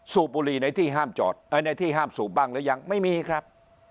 สูบบุหรี่ในที่ห้ามจอดในที่ห้ามสูบบ้างหรือยังไม่มีครับ